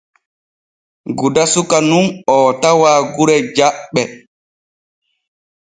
Guda suka nun oo tawa gure Jaɓɓe.